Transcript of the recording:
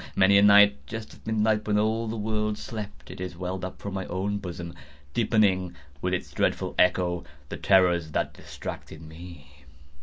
Many a night, just at midnight, when all the world slept, it has welled up from my own bosom, deepening, with its dreadful echo, the terrors that distracted me.